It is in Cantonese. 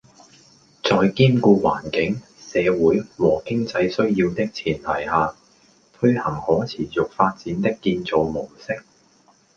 在兼顧環境、社會和經濟需要的前提下，推行可持續發展的建造模式